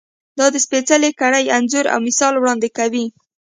دا د سپېڅلې کړۍ انځور او مثال وړاندې کوي.